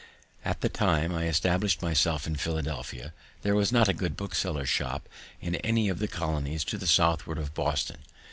At the time I establish'd myself in Pennsylvania, there was not a good bookseller's shop in any of the colonies to the southward of Boston.